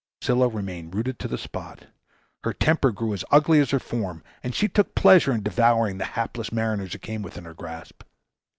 Scylla remained rooted to the spot. Her temper grew as ugly as her form, and she took pleasure in devouring hapless mariners who came within her grasp.